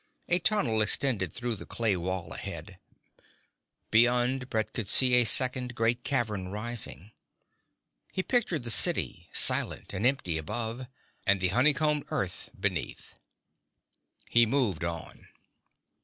A tunnel extended through the clay wall ahead; beyond, Brett could see a second great cavern rising. He pictured the city, silent and empty above, and the honey combed earth beneath. He moved on.